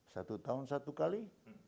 satu tahun satu kali